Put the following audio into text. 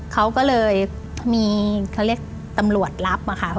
เขาก็เลยมีเขาเรียกตำรวจรับมาค่ะ